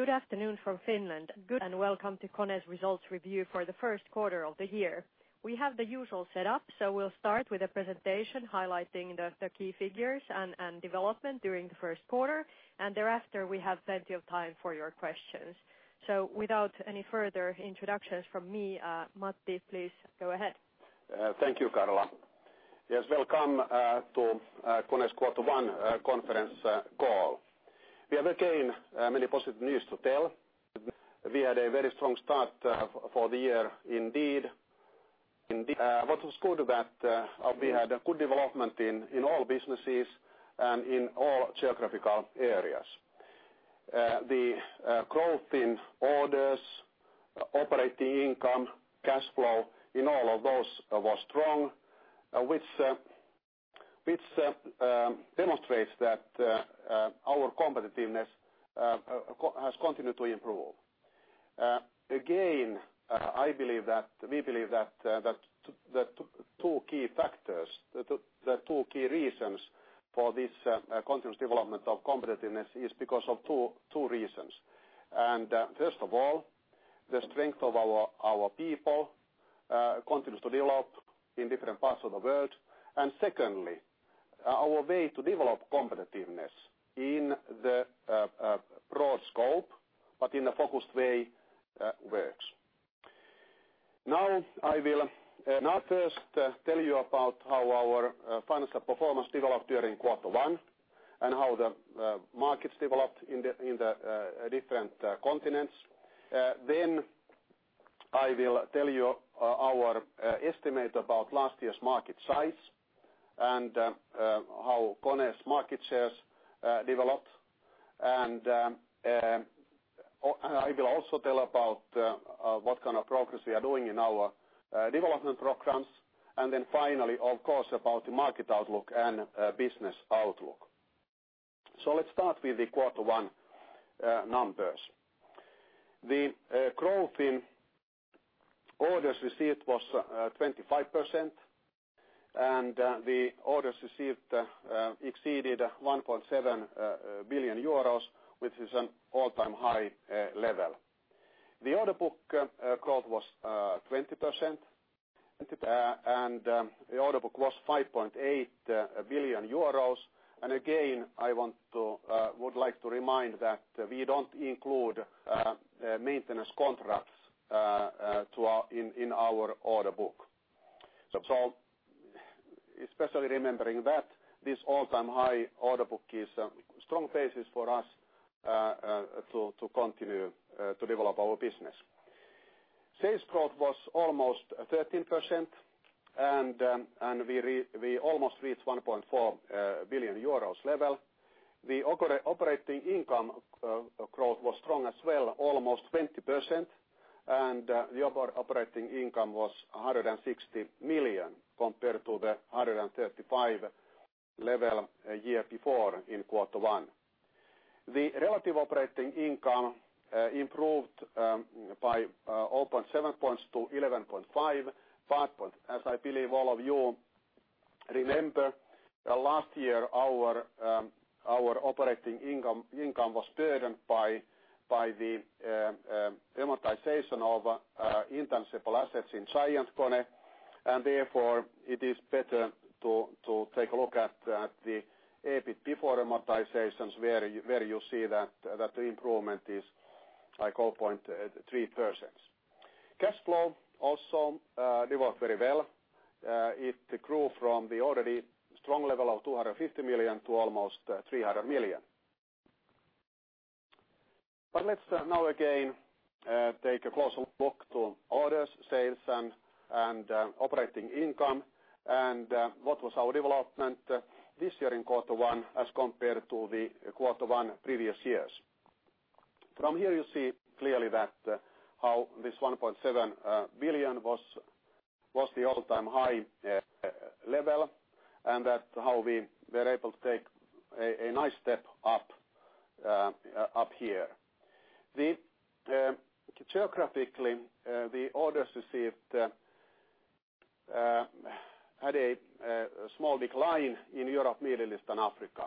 Good afternoon from Finland. Good, and welcome to KONE's results review for the first quarter of the year. We have the usual setup, so we will start with a presentation highlighting the key figures and development during the first quarter, and thereafter, we have plenty of time for your questions. Without any further introductions from me, Matti, please go ahead. Thank you, Carla. Yes, welcome to KONE's Quarter 1 conference call. We have, again, many positive news to tell. We had a very strong start for the year, indeed. We had a good development in all businesses and in all geographical areas. The growth in orders, operating income, cash flow, in all of those was strong, which demonstrates that our competitiveness has continued to improve. Again, we believe that the two key reasons for this continuous development of competitiveness is because of two reasons. First of all, the strength of our people continues to develop in different parts of the world. Secondly, our way to develop competitiveness in the broad scope, but in a focused way, works. I will first tell you about how our financial performance developed during Quarter 1 and how the markets developed in the different continents. I will tell you our estimate about last year's market size and how KONE's market shares developed. I will also tell about what kind of progress we are doing in our development programs. Finally, of course, about the market outlook and business outlook. Let's start with the Quarter 1 numbers. The growth in orders received was 25%, and the orders received exceeded 1.7 billion euros, which is an all-time high level. The order book growth was 20%, and the order book was 5.8 billion euros. Again, I would like to remind that we don't include maintenance contracts in our order book. Especially remembering that this all-time high order book is a strong basis for us to continue to develop our business. Sales growth was almost 13%, and we almost reached 1.4 billion euros level. The operating income growth was strong as well, almost 20%, and the operating income was 160 million compared to the 135 level a year before in Quarter 1. The relative operating income improved by 0.7 points to 11.5%. As I believe all of you remember, last year our operating income was burdened by the amortization of intangible assets in GiantKONE. Therefore, it is better to take a look at the EBIT before amortizations, where you see that the improvement is like 0.3%. Cash flow also developed very well. It grew from the already strong level of 250 million to almost 300 million. Let's now again take a closer look to orders, sales, and operating income and what was our development this year in Quarter 1 as compared to the Quarter 1 previous years. From here, you see clearly how this 1.7 billion was the all-time high level and how we were able to take a nice step up here. Geographically, the orders received had a small decline in Europe, Middle East, and Africa.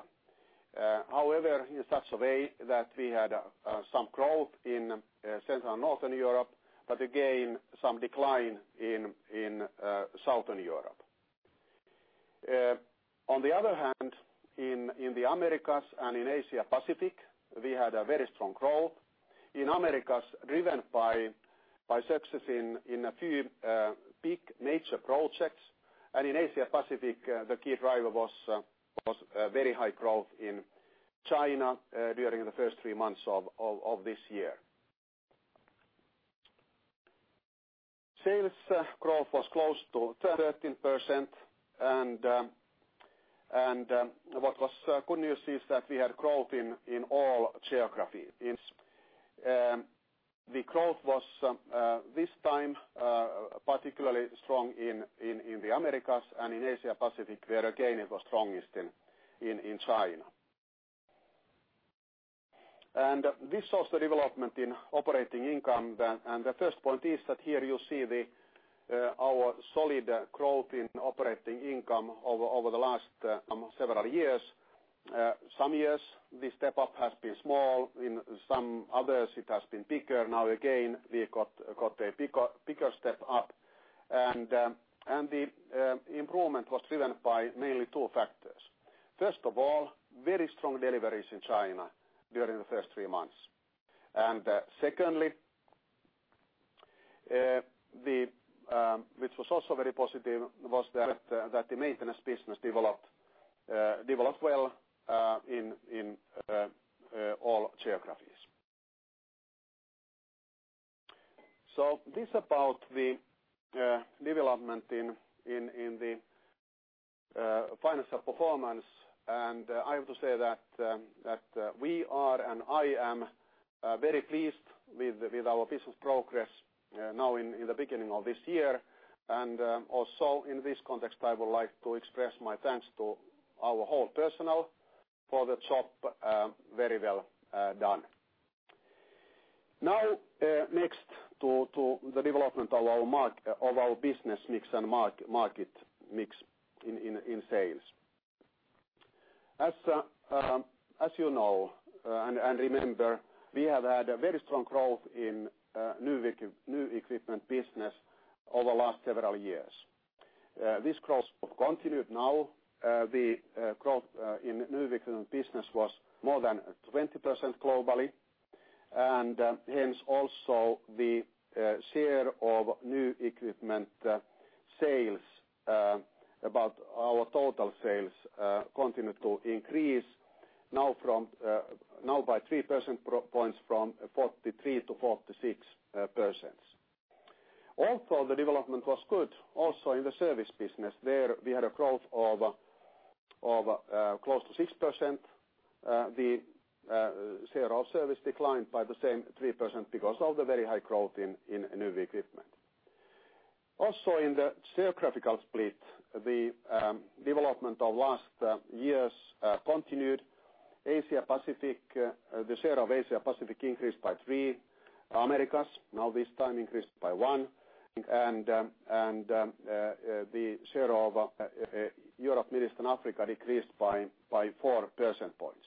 However, in such a way that we had some growth in Central and Northern Europe, but again, some decline in Southern Europe. On the other hand, in the Americas and in Asia Pacific, we had a very strong growth. In Americas, driven by success in a few big major project orders. In Asia Pacific, the key driver was very high growth in China during the first three months of this year. Sales growth was close to 13%, and what was good news is that we had growth in all geographies. The growth was this time particularly strong in the Americas and in Asia Pacific, where again, it was strongest in China. This shows the development in operating income. The first point is that here you see Our solid growth in operating income over the last several years. Some years the step-up has been small, in some others it has been bigger. Now again, we got a bigger step up and the improvement was driven by mainly two factors. First of all, very strong deliveries in China during the first three months. Secondly, which was also very positive, was that the maintenance business developed well in all geographies. This about the development in the financial performance. I have to say that we are, and I am very pleased with our business progress now in the beginning of this year. Also in this context, I would like to express my thanks to our whole personnel for the job very well done. Now, next to the development of our business mix and market mix in sales. As you know, and remember, we have had a very strong growth in new equipment business over the last several years. This growth continued now. The growth in new equipment business was more than 20% globally, and hence also the share of new equipment sales about our total sales continued to increase now by 3 percentage points from 43% to 46%. Also, the development was good also in the service business. There we had a growth of close to 6%. The share of service declined by the same 3% because of the very high growth in new equipment. Also in the geographical split, the development of last year's continued. The share of Asia-Pacific increased by three. Americas, now this time increased by one. The share of Europe, Middle East, and Africa decreased by 4 percentage points.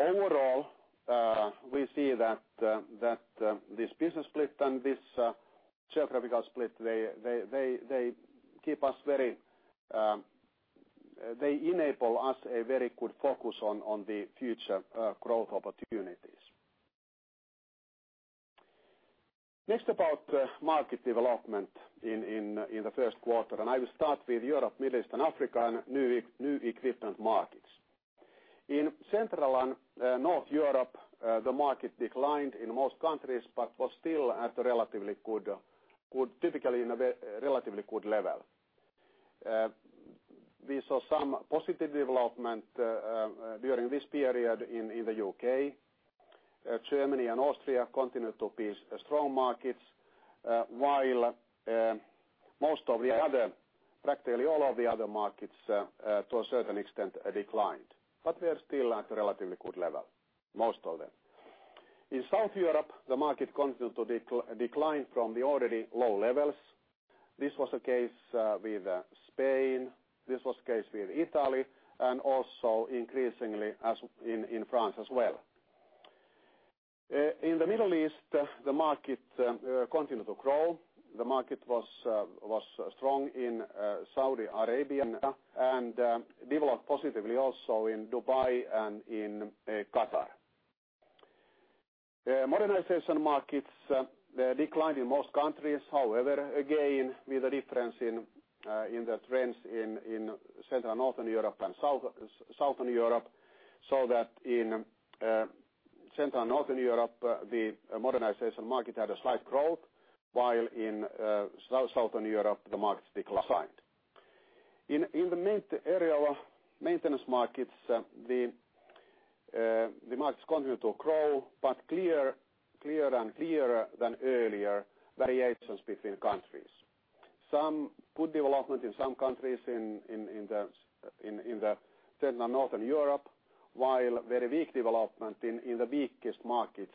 Overall, we see that this business split and this geographical split they enable us a very good focus on the future growth opportunities. Next about market development in the first quarter. I will start with Europe, Middle East, and Africa, new equipment markets. In Central and North Europe, the market declined in most countries, but was still at typically in a relatively good level. We saw some positive development during this period in the U.K. Germany and Austria continued to be strong markets, while most of the other, practically all of the other markets to a certain extent declined. We are still at a relatively good level, most of them. In South Europe, the market continued to decline from the already low levels. This was the case with Spain, this was the case with Italy, and also increasingly as in France as well. In the Middle East, the market continued to grow. The market was strong in Saudi Arabia and developed positively also in Dubai and in Qatar. Modernization markets declined in most countries. Again, with a difference in the trends in Central Northern Europe and Southern Europe. In Central Northern Europe the modernization market had a slight growth, while in Southern Europe the markets declined. In the maintenance markets, the markets continued to grow, but clearer and clearer than earlier variations between countries. Some good development in some countries in the Central Northern Europe, while very weak development in the weakest markets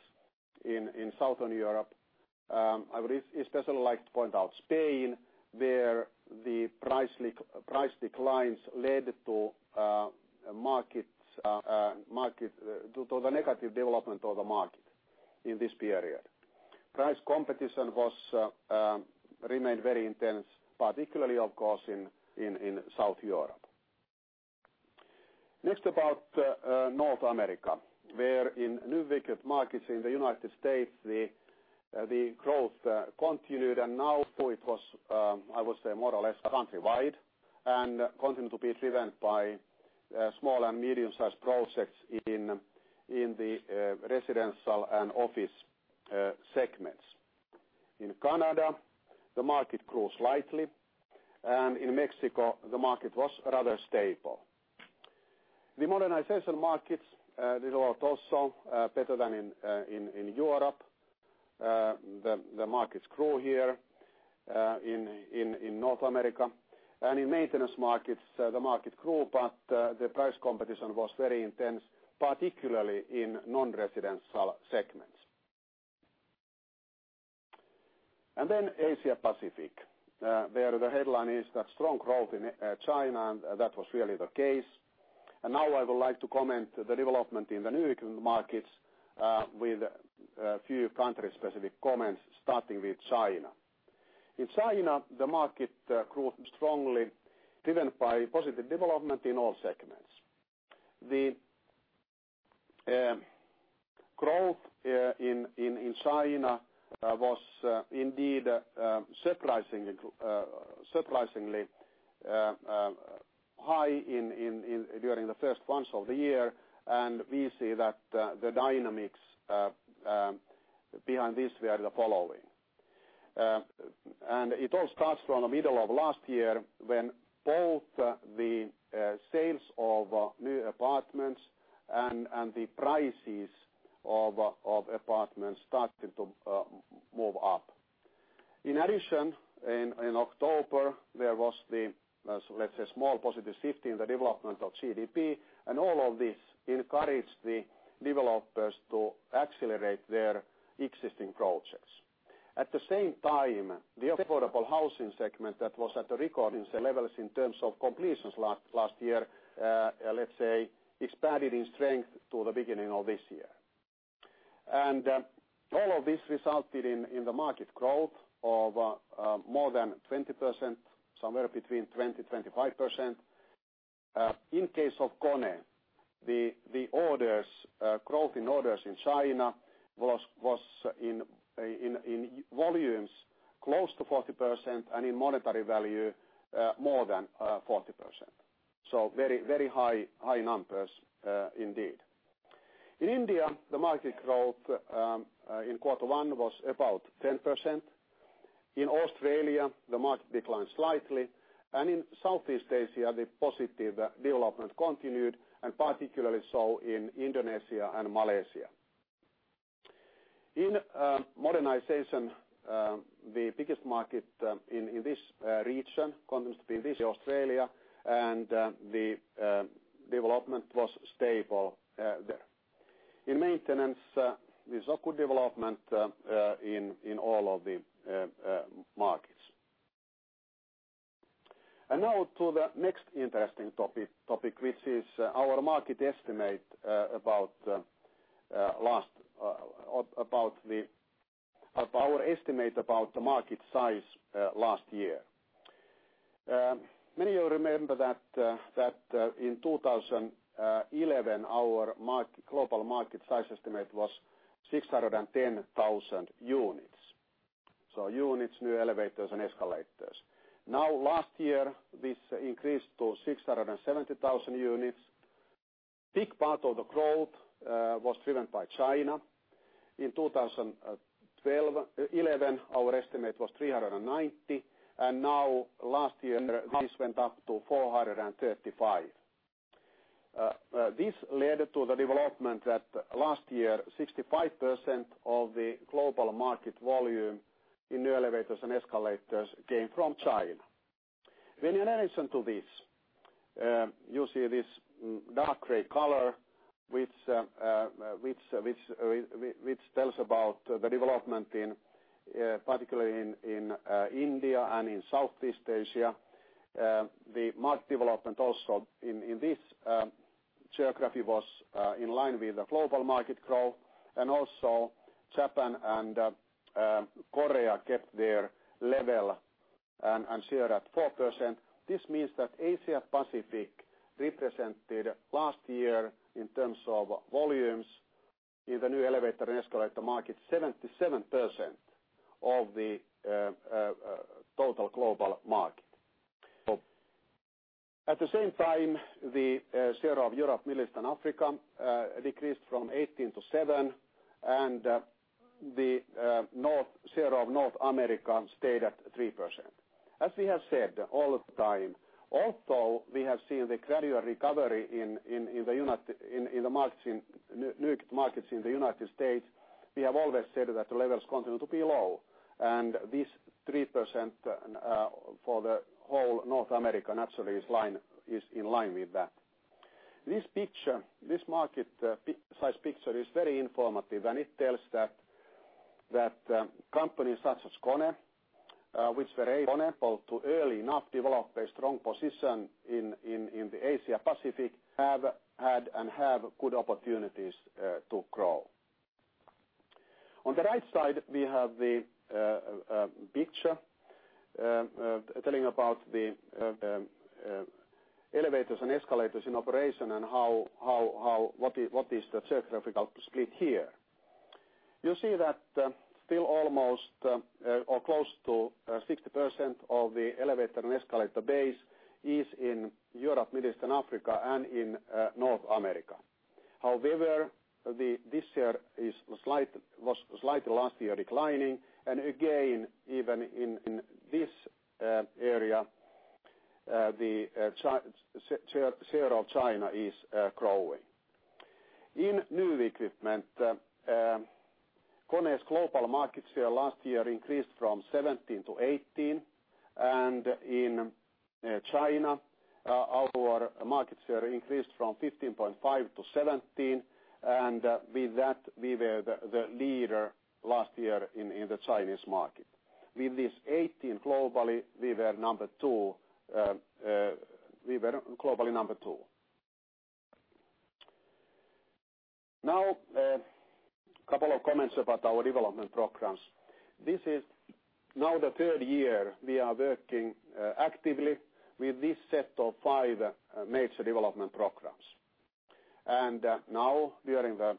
in Southern Europe. I would especially like to point out Spain, where the price declines led to the negative development of the market in this period. Price competition remained very intense, particularly of course in South Europe. About North America, where in new equipment markets in the U.S. the growth continued and now it was, I would say more or less countrywide and continued to be driven by small and medium-sized projects in the residential and office segments. In Canada, the market grew slightly, and in Mexico the market was rather stable. The modernization markets did also better than in Europe. The markets grew here. In North America and in maintenance markets, the market grew, but the price competition was very intense, particularly in non-residential segments. Asia Pacific. There the headline is that strong growth in China, and that was really the case. Now I would like to comment the development in the new markets with a few country-specific comments, starting with China. In China, the market grew strongly, driven by positive development in all segments. The growth in China was indeed surprisingly high during the first months of the year. We see that the dynamics behind this were the following. It all starts from the middle of last year when both the sales of new apartments and the prices of apartments started to move up. In addition, in October, there was the, let's say, small positive shift in the development of GDP. All of this encouraged the developers to accelerate their existing projects. At the same time, the affordable housing segment that was at a record in sales levels in terms of completions last year, let's say, expanded in strength to the beginning of this year. All of this resulted in the market growth of more than 20%, somewhere between 20%-25%. In case of KONE, the growth in orders in China was in volumes close to 40% and in monetary value more than 40%. Very high numbers indeed. In India, the market growth in quarter one was about 10%. In Australia, the market declined slightly, and in Southeast Asia, the positive development continued, and particularly so in Indonesia and Malaysia. In modernization, the biggest market in this region continues to be Australia, and the development was stable there. In maintenance, there's a good development in all of the markets. Now to the next interesting topic, which is our estimate about the market size last year. Many of you remember that in 2011, our global market size estimate was 610,000 units. Units, new elevators and escalators. Last year, this increased to 670,000 units. Big part of the growth was driven by China. In 2011, our estimate was 390, and last year this went up to 435. This led to the development that last year 65% of the global market volume in new elevators and escalators came from China. When you listen to this you see this dark gray color which tells about the development particularly in India and in Southeast Asia. The market development also in this geography was in line with the global market growth. Japan and Korea kept their level and share at 4%. This means that Asia Pacific represented last year in terms of volumes in the new elevator and escalator market, 77% of the total global market. At the same time, the share of Europe, Middle East, and Africa decreased from 18 to 17% and the share of North America stayed at 3%. As we have said all the time, although we have seen the gradual recovery in the new markets in the U.S., we have always said that the levels continue to be low. This 3% for the whole North America naturally is in line with that. This market size picture is very informative and it tells that companies such as KONE which were able to early enough develop a strong position in the Asia Pacific had and have good opportunities to grow. On the right side, we have the picture telling about the elevators and escalators in operation and what is the geographical split here. You see that still almost or close to 60% of the elevator and escalator base is in Europe, Middle East, and Africa and in North America. However, this year was slightly last year declining and again even in this area the share of China is growing. In new equipment, KONE's global market share last year increased from 17 to 18, and in China, our market share increased from 15.5 to 17, and with that, we were the leader last year in the Chinese market. With this 18 globally, we were globally number two. A couple of comments about our development programs. This is now the third year we are working actively with this set of five major development programs. During the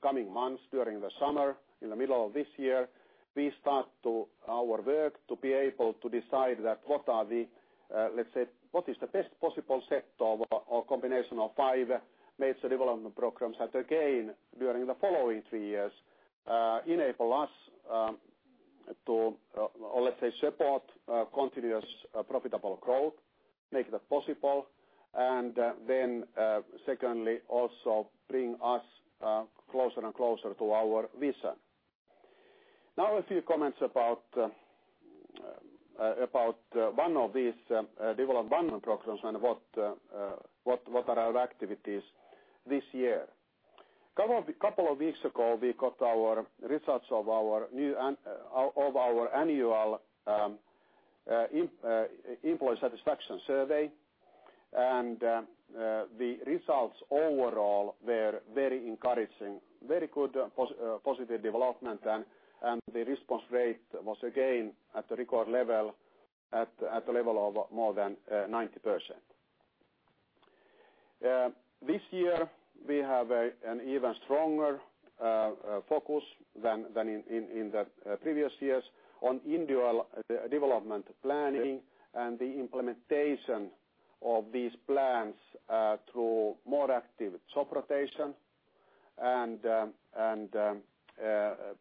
coming months, during the summer, in the middle of this year, we start our work to be able to decide what is the best possible set or combination of five major development programs that again, during the following three years, enable us to support continuous profitable growth, make that possible, and secondly, also bring us closer and closer to our vision. A few comments about one of these development programs and what are our activities this year. Couple of weeks ago, we got our results of our annual employee satisfaction survey. The results overall were very encouraging. Very good positive development, and the response rate was again at the record level at a level of more than 90%. This year we have an even stronger focus than in the previous years on individual development planning and the implementation of these plans through more active job rotation and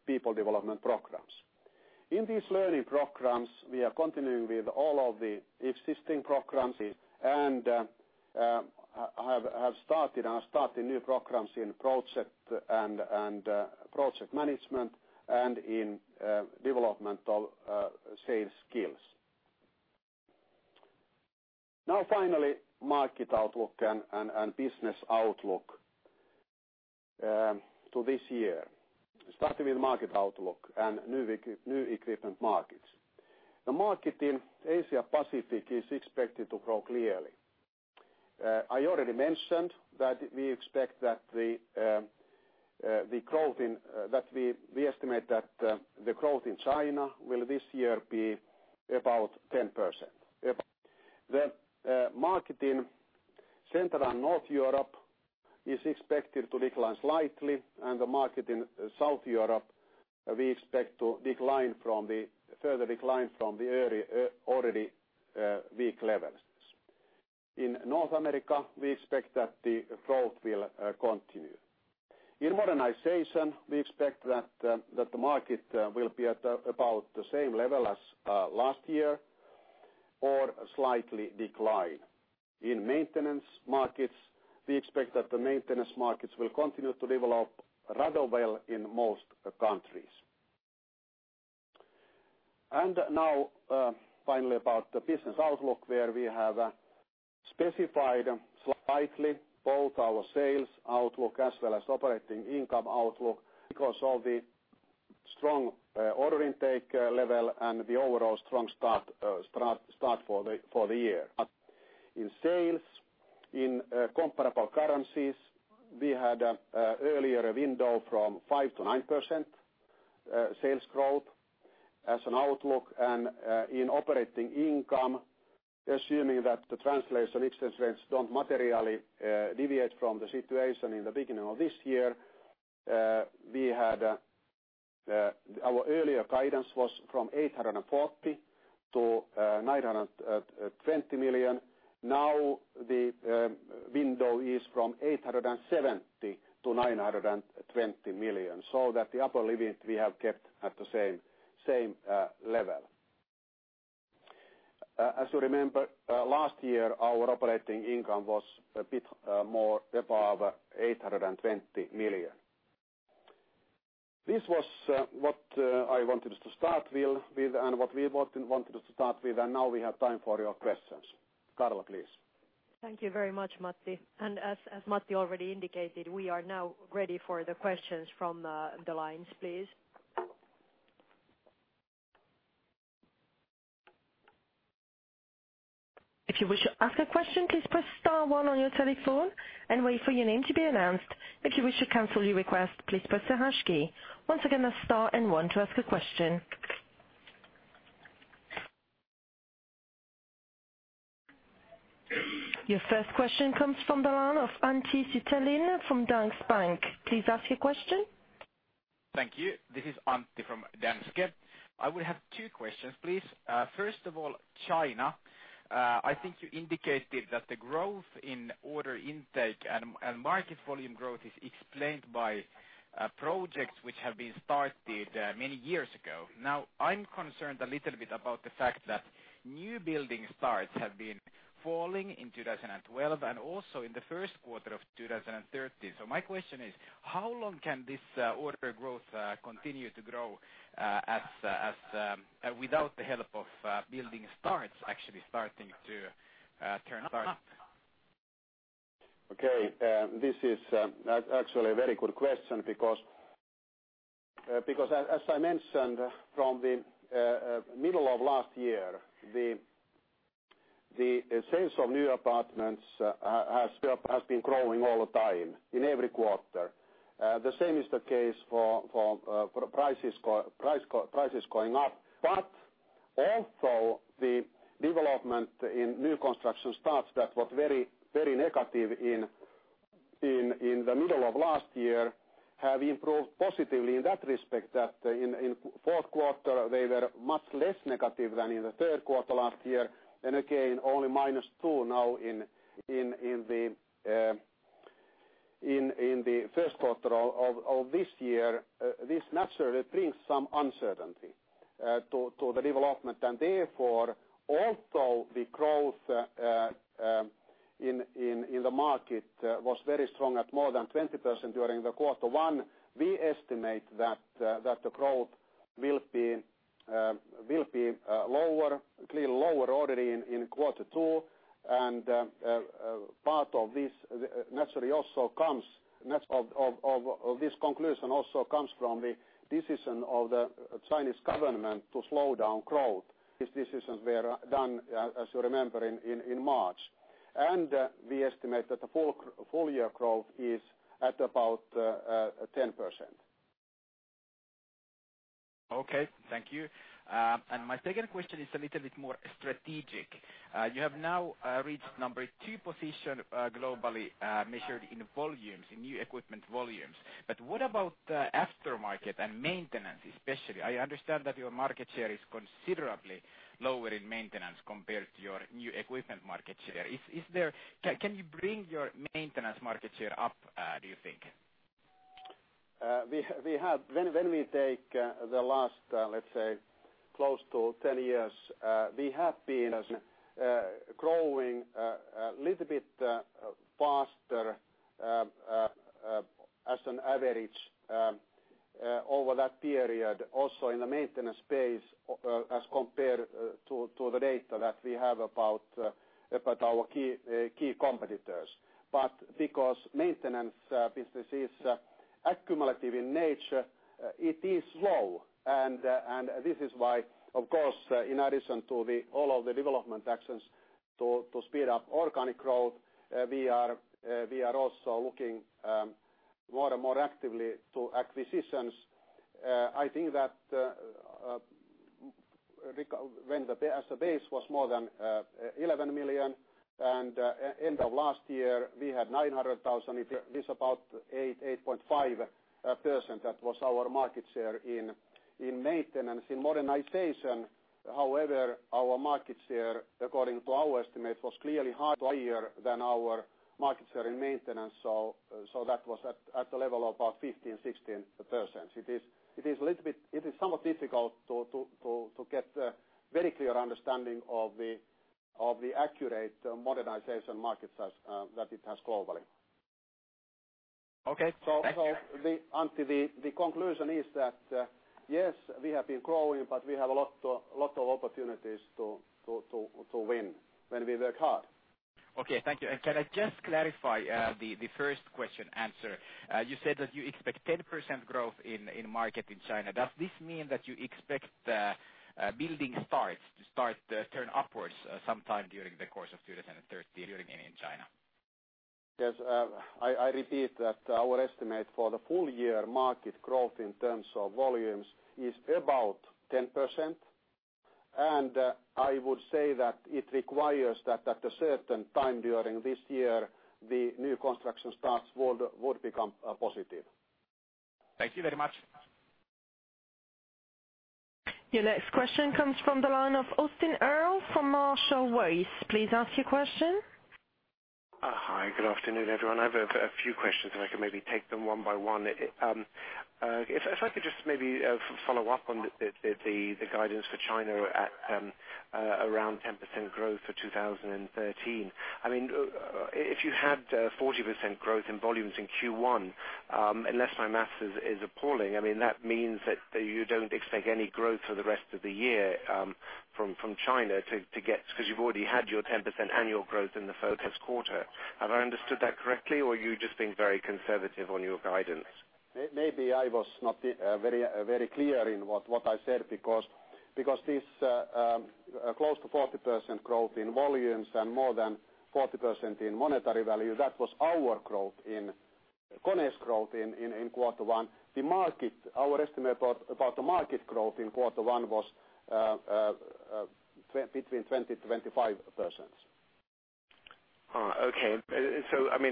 people development programs. In these learning programs, we are continuing with all of the existing programs and have started new programs in project and project management and in development of sales skills. Finally, market outlook and business outlook to this year. Starting with market outlook and new equipment markets. The market in Asia Pacific is expected to grow clearly. I already mentioned that we estimate that the growth in China will this year be about 10%. The market in Central and North Europe is expected to decline slightly and the market in South Europe, we expect to further decline from the already weak levels. In North America, we expect that the growth will continue. In modernization, we expect that the market will be at about the same level as last year or slightly decline. In maintenance markets, we expect that the maintenance markets will continue to develop rather well in most countries. Finally about the business outlook, where we have specified slightly both our sales outlook as well as operating income outlook because of the strong order intake level and the overall strong start for the year. In sales, in comparable currencies, we had earlier a window from 5%-9% sales growth as an outlook and in operating income, assuming that the translation exchange rates don't materially deviate from the situation in the beginning of this year, our earlier guidance was from 840 million-920 million. The window is from 870 million-920 million, so that the upper limit we have kept at the same level. As you remember, last year our operating income was a bit more above 820 million. This was what I wanted to start with, and what we both wanted to start with, and now we have time for your questions. Carla, please. Thank you very much, Matti. As Matti already indicated, we are now ready for the questions from the lines, please. If you wish to ask a question, please press star one on your telephone and wait for your name to be announced. If you wish to cancel your request, please press the hash key. Once again, that's star and one to ask a question. Your first question comes from the line of Antti Sutelin from Danske Bank. Please ask your question. Thank you. This is Antti from Danske. I would have two questions, please. First of all, China. I think you indicated that the growth in order intake and market volume growth is increasing explained by projects which have been started many years ago. My question is, how long can this order growth continue to grow without the help of building starts actually starting to turn up? Okay. This is actually a very good question because as I mentioned from the middle of last year, the sales of new apartments has been growing all the time in every quarter. The same is the case for prices going up. Also the development in new construction starts that was very negative in the middle of last year have improved positively in that respect, that in fourth quarter they were much less negative than in the third quarter last year. Again, only minus two now in the first quarter of this year. This naturally brings some uncertainty to the development and therefore, although the growth in the market was very strong at more than 20% during the quarter one, we estimate that the growth will be clearly lower already in quarter two. Part of this conclusion also comes from the decision of the Chinese government to slow down growth. These decisions were done as you remember in March. We estimate that the full year growth is at about 10%. Okay. Thank you. My second question is a little bit more strategic. You have now reached number 2 position globally measured in volumes, in new equipment volumes. What about aftermarket and maintenance especially? I understand that your market share is considerably lower in maintenance compared to your new equipment market share. Can you bring your maintenance market share up, do you think? When we take the last let's say close to 10 years we have been growing a little bit faster as an average over that period also in the maintenance space as compared to the data that we have about our key competitors. Because maintenance business is accumulative in nature, it is slow and this is why, of course in addition to all of the development actions to speed up organic growth we are also looking more and more actively to acquisitions. I think that as the base was more than 11 million and end of last year we had 900,000. This about 8.5% that was our market share in maintenance. In modernization, however, our market share according to our estimate was clearly higher than our market share in maintenance. That was at the level of about 15%-16%. It is somewhat difficult to get a very clear understanding of the accurate modernization market size that it has globally. Okay. Thank you. Antti, the conclusion is that yes, we have been growing, but we have a lot of opportunities to win when we work hard. Okay, thank you. Can I just clarify the first question answer. You said that you expect 10% growth in market in China. Does this mean that you expect building starts to start turn upwards sometime during the course of 2013 in China? Yes. I repeat that our estimate for the full year market growth in terms of volumes is about 10%. I would say that it requires that at a certain time during this year the new construction starts would become positive. Thank you very much. Your next question comes from the line of Austin Earl from Marshall Wace. Please ask your question. Hi. Good afternoon, everyone. I have a few questions and I can maybe take them one by one. If I could just maybe follow up on the guidance for China at around 10% growth for 2013. If you had 40% growth in volumes in Q1, unless my math is appalling, that means that you don't expect any growth for the rest of the year from China because you've already had your 10% annual growth in the first quarter. Have I understood that correctly or you're just being very conservative on your guidance? Maybe I was not very clear in what I said because this close to 40% growth in volumes and more than 40% in monetary value, that was our growth in KONE's growth in quarter one. Our estimate about the market growth in quarter one was between 20%-25%. Okay.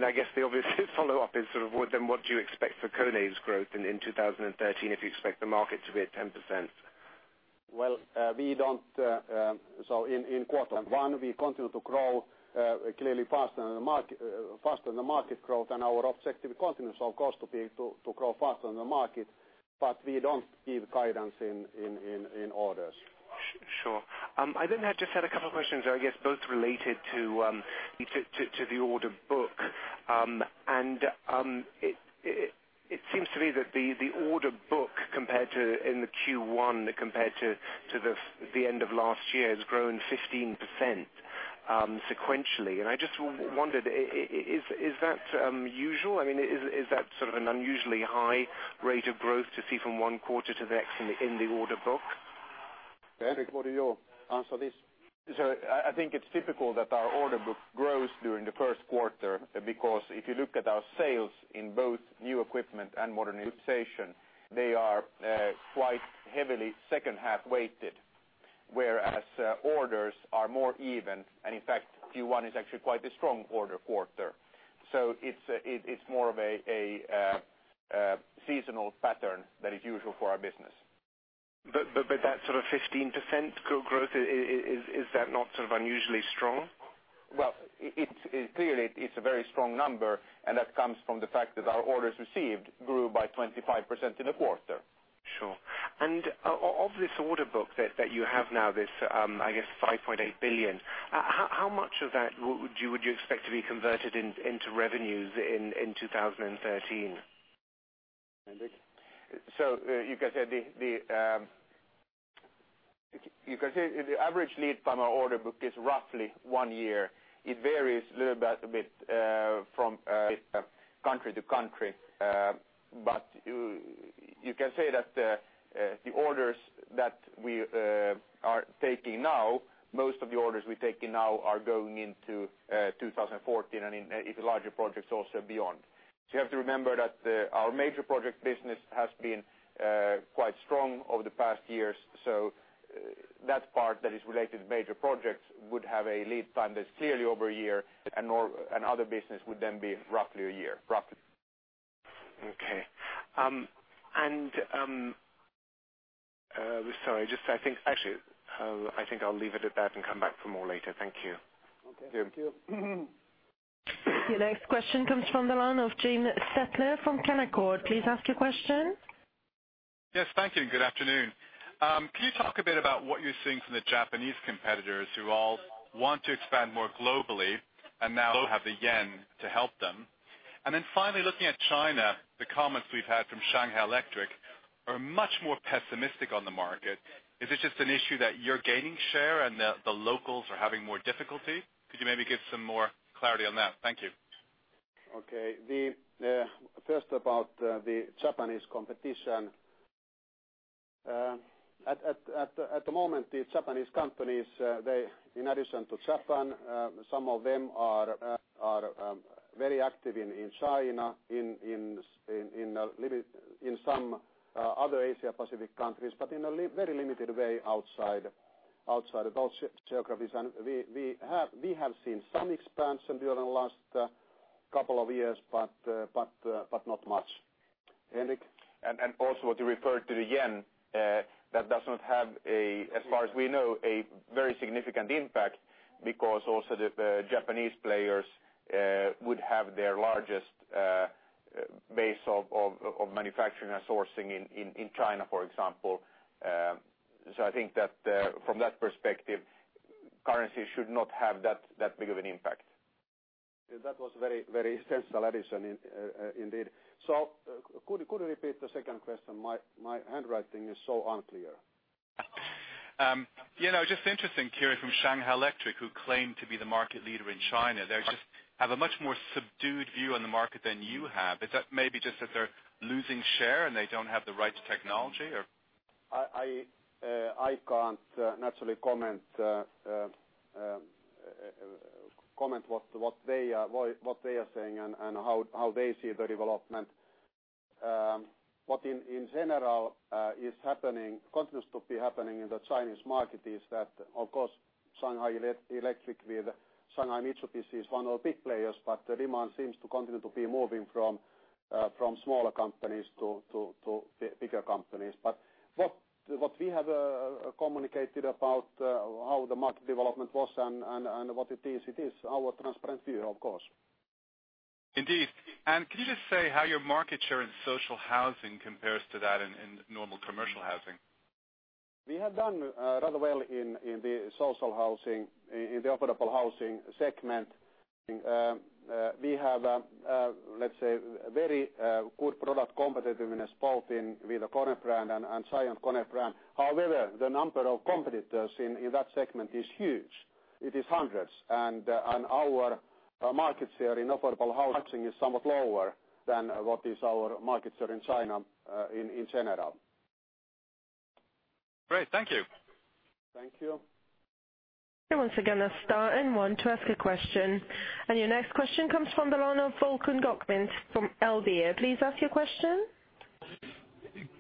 I guess the obvious follow-up is then what do you expect for KONE's growth in 2013 if you expect the market to be at 10%? Well, in quarter one, we continue to grow clearly faster than the market growth and our objective continues, of course, to be able to grow faster than the market. We don't give guidance in orders. Sure. I just had a couple of questions, I guess both related to the order book. It seems to me that the order book in the Q1 compared to the end of last year, has grown 15% sequentially. I just wondered, is that usual? I mean, is that sort of an unusually high rate of growth to see from one quarter to the next in the order book? Henrik, what do you answer this? I think it's typical that our order book grows during the first quarter, because if you look at our sales in both new equipment and modernization, they are quite heavily second half weighted, whereas orders are more even, and in fact, Q1 is actually quite a strong order quarter. It's more of a seasonal pattern that is usual for our business. That sort of 15% growth, is that not sort of unusually strong? Clearly it's a very strong number, and that comes from the fact that our orders received grew by 25% in a quarter. Sure. Of this order book that you have now, this, I guess roughly, 5.8 billion, how much of that would you expect to be converted into revenues in 2013? Henrik. You can say the average lead time our order book is roughly one year. It varies a little bit from country to country. You can say that the orders that we are taking now, most of the orders we're taking now are going into 2014, and in the larger projects also beyond. You have to remember that our major project business has been quite strong over the past years. That part that is related to major projects would have a lead time that's clearly over a year and other business would then be roughly one year. Roughly. Okay. Sorry, actually, I think I'll leave it at that and come back for more later. Thank you. Okay. Thank you. Your next question comes from the line of James Setzler from Canaccord. Please ask your question. Yes, thank you. Good afternoon. Can you talk a bit about what you're seeing from the Japanese competitors who all want to expand more globally and now have the yen to help them? Then finally, looking at China, the comments we've had from Shanghai Electric are much more pessimistic on the market. Is this just an issue that you're gaining share and the locals are having more difficulty? Could you maybe give some more clarity on that? Thank you. Okay. First about the Japanese competition. At the moment, the Japanese companies, in addition to Japan, some of them are very active in China, in some other Asia Pacific countries, but in a very limited way outside of those geographies. We have seen some expansion during the last couple of years, but not much. Henrik. Also to refer to the yen, that does not have, as far as we know, a very significant impact because also the Japanese players would have their largest base of manufacturing and sourcing in China, for example. I think that from that perspective, currency should not have that big of an impact. That was very sensible addition indeed. Could you repeat the second question? My handwriting is so unclear. Yeah, just interesting hearing from Shanghai Electric, who claim to be the market leader in China. They just have a much more subdued view on the market than you have. Is that maybe just that they're losing share and they don't have the right technology? I can't naturally comment what they are saying and how they see the development. What in general continues to be happening in the Chinese market is that, of course, Shanghai Electric with Shanghai Mitsubishi is one of the big players, but the demand seems to continue to be moving from smaller companies to bigger companies. What we have communicated about how the market development was and what it is, it is our transparent view, of course. Indeed. Can you just say how your market share in social housing compares to that in normal commercial housing? We have done rather well in the social housing, in the affordable housing segment. We have, let's say, very good product competitiveness, both with the KONE brand and GiantKONE brand. However, the number of competitors in that segment is huge. It is hundreds. Our market share in affordable housing is somewhat lower than what is our market share in China, in general. Great. Thank you. Thank you. Once again, I'll start in one to ask a question. Your next question comes from the line of Volkan Gokmen from LD. Please ask your question.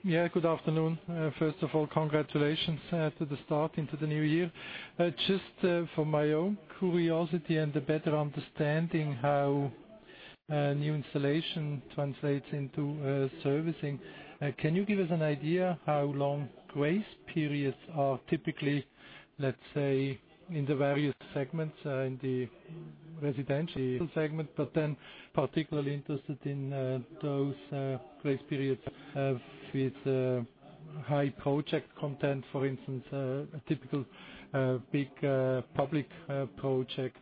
Good afternoon. First of all, congratulations to the start into the new year. Just for my own curiosity and a better understanding how new installation translates into servicing, can you give us an idea how long grace periods are typically, let's say, in the various segments, in the residential segment? Particularly interested in those grace periods with high project content, for instance, a typical big public project.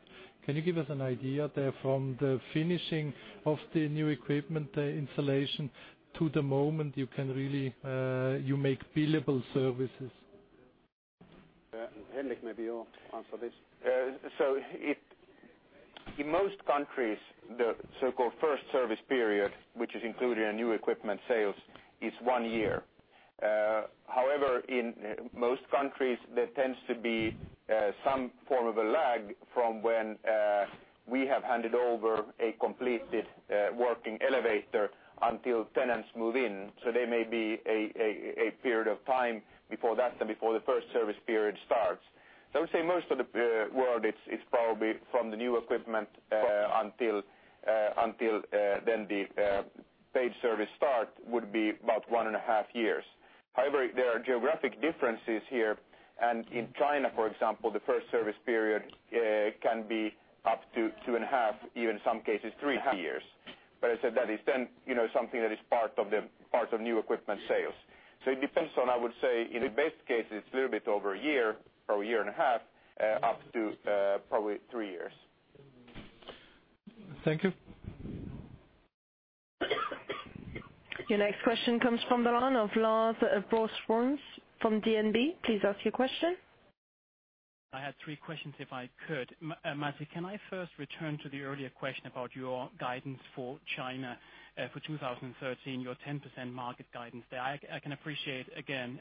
Can you give us an idea there from the finishing of the new equipment installation to the moment you make billable services? Henrik, maybe you answer this. In most countries, the so-called first service period, which is included in new equipment sales, is one year. However, in most countries, there tends to be some form of a lag from when we have handed over a completed working elevator until tenants move in. There may be a period of time before that and before the first service period starts. I would say most of the world, it's probably from the new equipment until then the paid service start would be about one and a half years. However, there are geographic differences here. In China, for example, the first service period can be up to two and a half, even in some cases three and a half years. As I said, that is then something that is part of new equipment sales. It depends on, I would say, in the best case, it's a little bit over a year or a year and a half, up to probably three years. Thank you. Your next question comes from the line of Lars Brorson from DNB. Please ask your question. I had three questions, if I could. Matti, can I first return to the earlier question about your guidance for China for 2013, your 10% market guidance there. I can appreciate, again,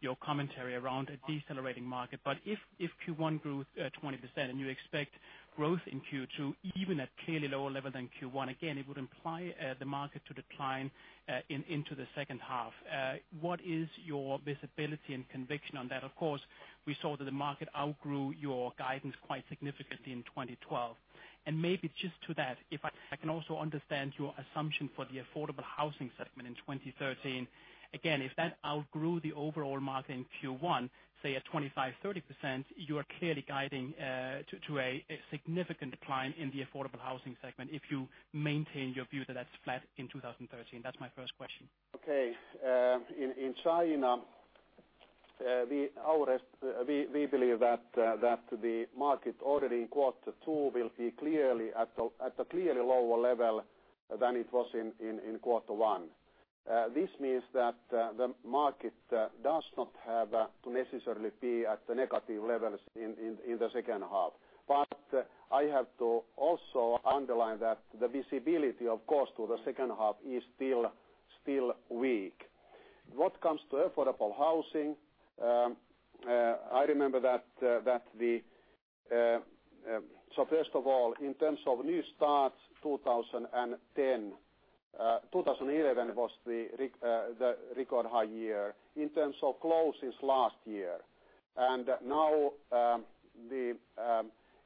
your commentary around a decelerating market. If Q1 grew 20% and you expect growth in Q2, even at clearly lower level than Q1, again, it would imply the market to decline into the second half. What is your visibility and conviction on that? Of course, we saw that the market outgrew your guidance quite significantly in 2012. Maybe just to that, if I can also understand your assumption for the affordable housing segment in 2013. Again, if that outgrew the overall market in Q1, say at 25%-30%, you are clearly guiding to a significant decline in the affordable housing segment if you maintain your view that that's flat in 2013. That's my first question. Okay. In China, we believe that the market already in quarter two will be at a clearly lower level than it was in quarter one. This means that the market does not have to necessarily be at the negative levels in the second half. I have to also underline that the visibility, of course, to the second half is still weak. What comes to affordable housing, I remember that. First of all, in terms of new starts, 2011 was the record high year in terms of closes last year. Now, the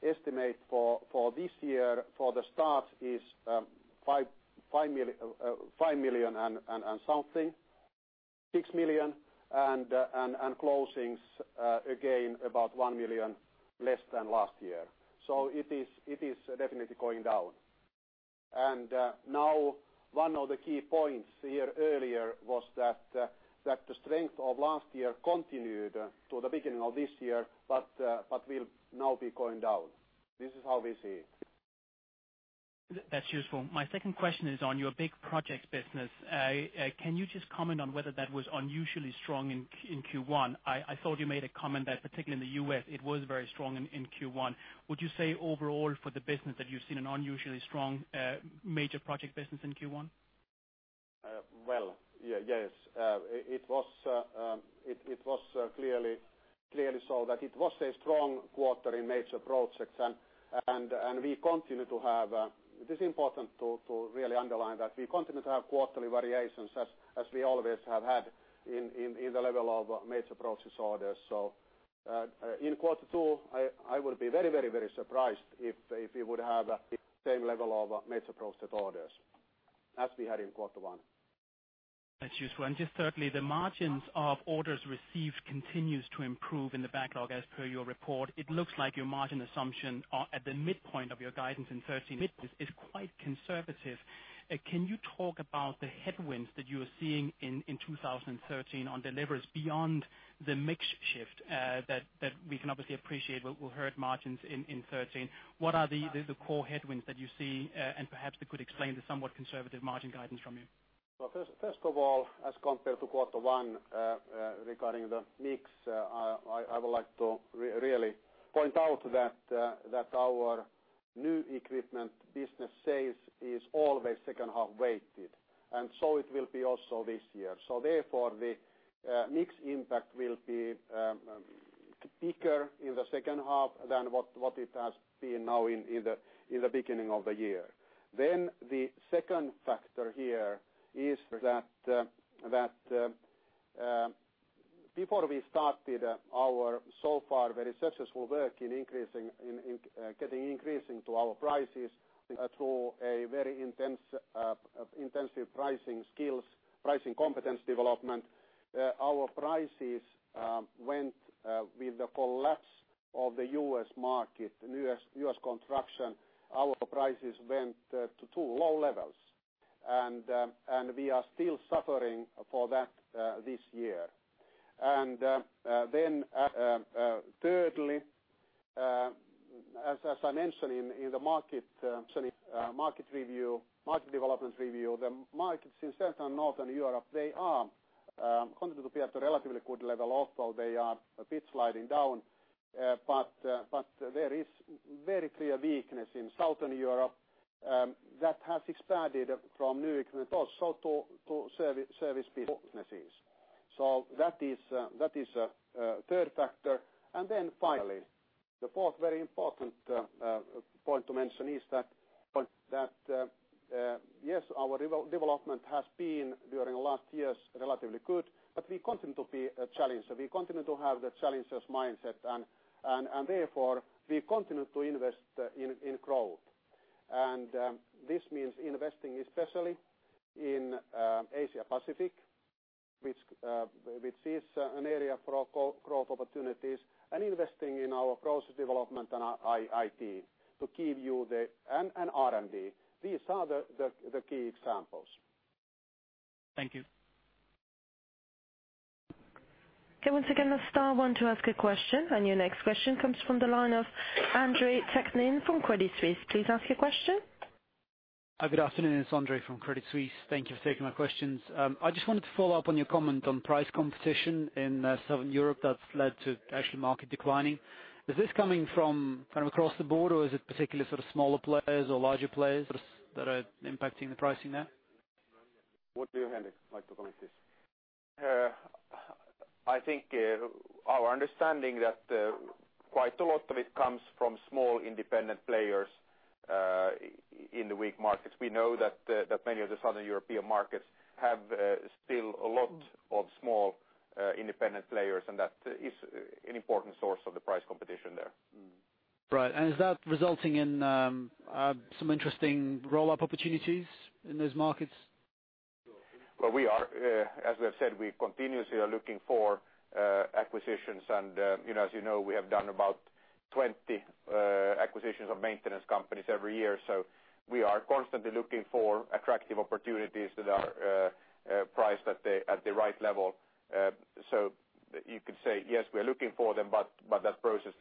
estimate for this year for the start is 5 million and something, 6 million, and closings again about 1 million, less than last year. It is definitely going down. Now, one of the key points here earlier was that the strength of last year continued to the beginning of this year but will now be going down. This is how we see it. That's useful. My second question is on your big projects business. Can you just comment on whether that was unusually strong in Q1? I thought you made a comment that particularly in the U.S., it was very strong in Q1. Would you say overall for the business that you've seen an unusually strong major project business in Q1? Well, yes. It was clearly so that it was a strong quarter in major projects. It is important to really underline that we continue to have quarterly variations as we always have had in the level of major project orders. In quarter two, I would be very surprised if we would have the same level of major project orders as we had in quarter one. That's useful. Just thirdly, the margins of orders received continues to improve in the backlog as per your report. It looks like your margin assumption at the midpoint of your guidance in 2013 is quite conservative. Can you talk about the headwinds that you are seeing in 2013 on deliveries beyond the mix shift that we can obviously appreciate will hurt margins in 2013? What are the core headwinds that you see and perhaps that could explain the somewhat conservative margin guidance from you? First of all, as compared to quarter one regarding the mix, I would like to really point out that our new equipment business sales is always second half weighted. It will be also this year. Therefore, the mix impact will be bigger in the second half than what it has been now in the beginning of the year. The second factor here is that before we started our so far very successful work in getting increasing to our prices through a very intensive pricing skills, pricing competence development, our prices went with the collapse of the U.S. market and U.S. construction. Our prices went to two low levels, and we are still suffering for that this year. Thirdly, as I mentioned in the market development review, the markets in Central and Northern Europe, they are continuing to be at a relatively good level, although they are a bit sliding down. There is very clear weakness in Southern Europe that has expanded from new equipment also to service businesses. That is a third factor. Finally, the fourth very important point to mention is that, yes, our development has been, during last years, relatively good, but we continue to be challenged. We continue to have the challenges mindset and therefore we continue to invest in growth. This means investing especially in Asia Pacific, which is an area for growth opportunities and investing in our process development and IT and R&D. These are the key examples. Thank you. Okay, once again, let's star one to ask a question. Your next question comes from the line of Andre Kukhnin from Credit Suisse. Please ask your question. Good afternoon. It's Andre from Credit Suisse. Thank you for taking my questions. I just wanted to follow up on your comment on price competition in Southern Europe that's led to actual market declining. Is this coming from across the board or is it particularly sort of smaller players or larger players that are impacting the pricing there? What do you, Henrik, like to comment this? I think our understanding that quite a lot of it comes from small independent players in the weak markets. We know that many of the Southern European markets have still a lot of small independent players and that is an important source of the price competition there. Right. Is that resulting in some interesting roll-up opportunities in those markets? Well, as we have said, we continuously are looking for acquisitions and as you know, we have done about 20 acquisitions of maintenance companies every year. We are constantly looking for attractive opportunities that are priced at the right level. You could say, yes, we are looking for them, that process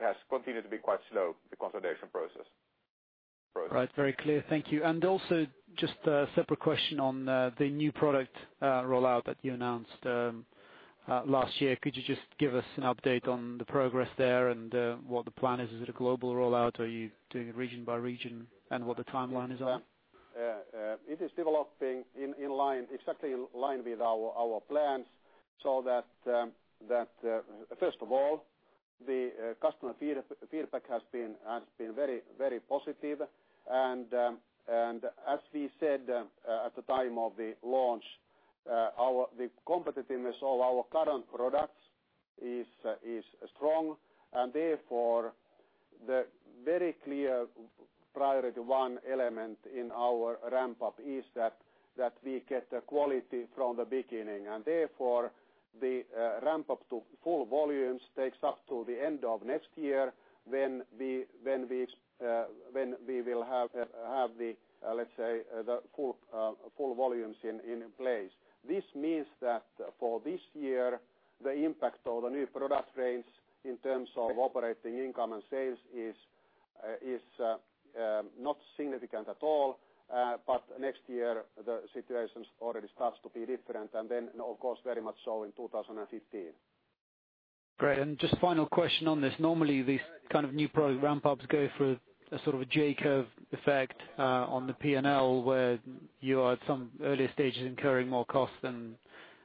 has continued to be quite slow, the consolidation process. Right. Very clear. Thank you. Also just a separate question on the new product rollout that you announced last year. Could you just give us an update on the progress there and what the plan is? Is it a global rollout? Are you doing region by region and what the timeline is there? It is developing exactly in line with our plans. First of all, the customer feedback has been very positive and as we said at the time of the launch, the competitiveness of our current products is strong and therefore the very clear priority one element in our ramp-up is that we get the quality from the beginning. Therefore the ramp-up to full volumes takes up to the end of next year when we will have the, let's say, the full volumes in place. This means that for this year the impact of the new product range in terms of operating income and sales is not significant at all. Next year the situation already starts to be different and then of course very much so in 2015. Great. Just final question on this. Normally these kind of new product ramp-ups go through a sort of a J-curve effect on the P&L where you are at some earlier stages incurring more costs than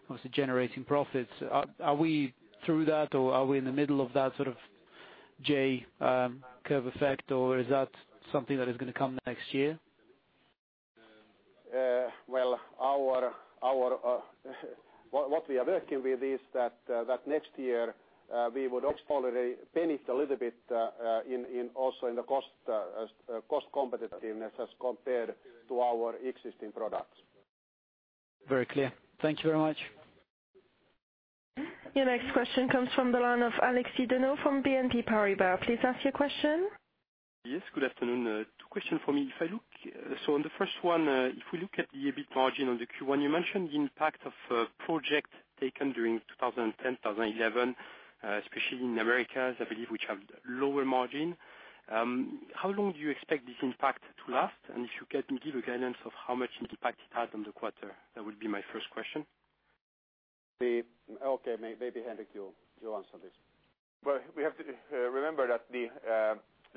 obviously generating profits. Are we through that or are we in the middle of that sort of J-curve effect or is that something that is going to come next year? Well, what we are working with is that next year we would hopefully benefit a little bit also in the cost competitiveness as compared to our existing products. Very clear. Thank you very much. Your next question comes from the line of Alexi Deneux from BNP Paribas. Please ask your question. Yes, good afternoon. 2 question for me. On the first one, if we look at the EBIT margin on the Q1, you mentioned the impact of projects taken during 2010, 2011, especially in Americas, I believe, which have lower margin. How long do you expect this impact to last? If you can give a guidance of how much impact it has on the quarter, that would be my first question. Okay. Maybe Henrik you answer this. We have to remember that the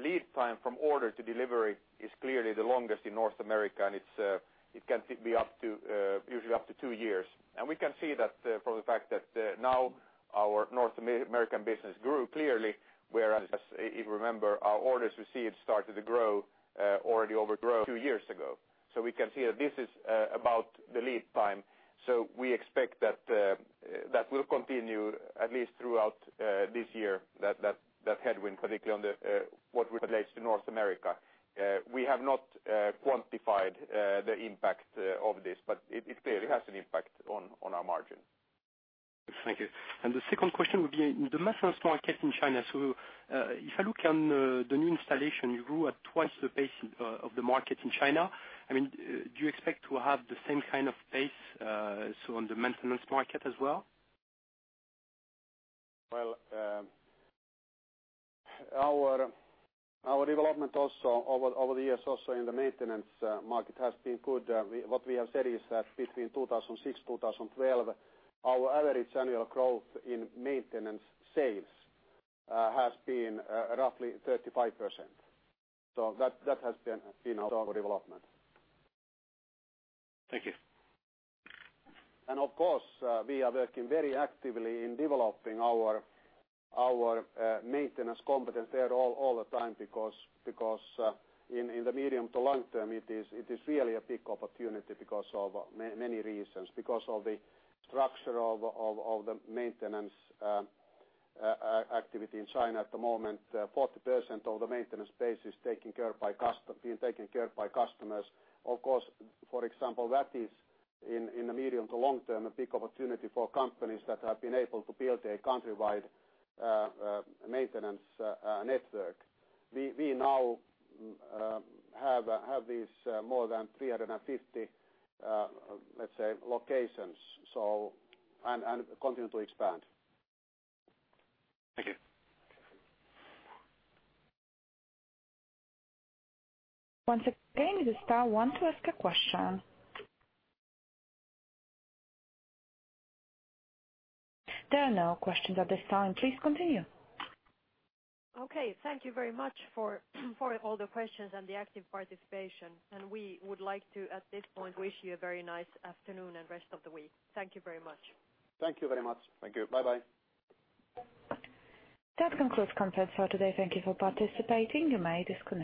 lead time from order to delivery is clearly the longest in North America, and it can be usually up to 2 years. We can see that from the fact that now our North American business grew clearly, whereas if you remember, our orders received started to grow, already overgrow 2 years ago. We can see that this is about the lead time. We expect that that will continue at least throughout this year, that headwind, particularly on what relates to North America. We have not quantified the impact of this, but it clearly has an impact on our margin. Thank you. The second question would be the maintenance market in China. If I look on the new installation, you grew at twice the pace of the market in China. Do you expect to have the same kind of pace on the maintenance market as well? Our development also over the years also in the maintenance market has been good. What we have said is that between 2006, 2012, our average annual growth in maintenance sales has been roughly 35%. That has been our development. Thank you. Of course, we are working very actively in developing our maintenance competence there all the time because in the medium to long term, it is really a big opportunity because of many reasons. Because of the structure of the maintenance activity in China at the moment, 40% of the maintenance base being taken care of by customers. Of course, for example, that is in the medium to long term, a big opportunity for companies that have been able to build a country-wide maintenance network. We now have these more than 350, let's say, locations and continue to expand. Thank you. Once again, if you star one to ask a question. There are no questions at this time. Please continue. Okay, thank you very much for all the questions and the active participation, and we would like to, at this point, wish you a very nice afternoon and rest of the week. Thank you very much. Thank you very much. Thank you. Bye bye. That concludes conference for today. Thank you for participating. You may disconnect.